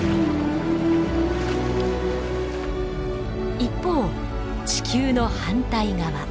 一方地球の反対側。